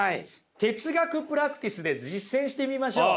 哲学プラクティスで実践してみましょう。